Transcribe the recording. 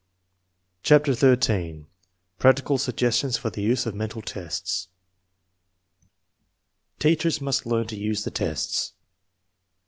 CHAPTER XIH PRACTICAL SUGGESTIONS FOR THE USE OF MENTAL TESTS i Teachers must learn to use tests.